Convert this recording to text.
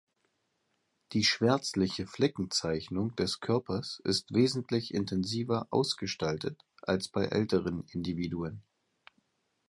Die schwärzliche Fleckenzeichnung des Körpers ist wesentlich intensiver ausgestaltet als bei älteren Individuen.